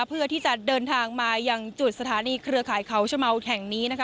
เพื่อที่จะเดินทางมาอย่างจุดสถานีเครือข่ายเขาชะเมาแห่งนี้นะคะ